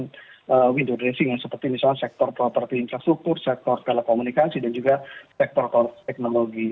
jadi juga window dressing yang seperti sektor property infrastructure sektor telekomunikasi dan juga sektor konektis teknologi